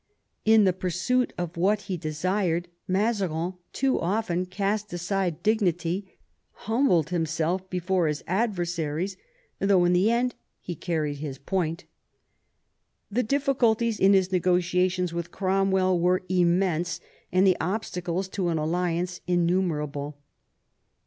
In the pursuit of what he desired Mazarin too often cast aside dignity, humbled himself before his adversaries, though in the end he carried his point. The difficulties in his negotiations with Cromwell were immense, and the obstacles to an alliance innumerable.